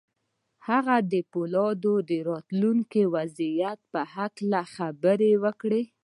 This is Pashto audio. هغه د پولادو د راتلونکي وضعیت په هکله خبرې وکړې